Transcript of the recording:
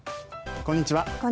こんにちは。